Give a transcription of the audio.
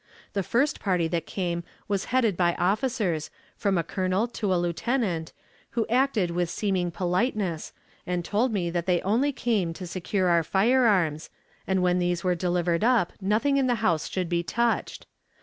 The first party that came was headed by officers, from a colonel to a lieutenant, who acted with seeming politeness, and told me that they only came to secure our firearms, and when these were delivered up nothing in the house should be touched.